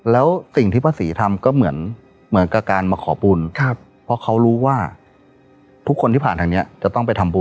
แล้วสิ่งที่พระศรีทำก็เหมือนกับการมาขอบุญเพราะเขารู้ว่าทุกคนที่ผ่านทางนี้จะต้องไปทำบุญ